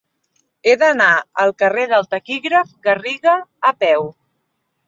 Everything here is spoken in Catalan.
He d'anar al carrer del Taquígraf Garriga a peu.